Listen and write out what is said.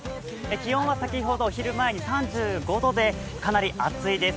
気温は先ほどお昼前に３５度でかなり暑いです。